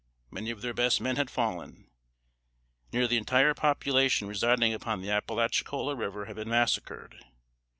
Many of their best men had fallen. Nearly the entire population residing upon the Appalachicola River had been massacred.